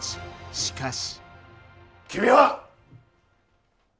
しかし。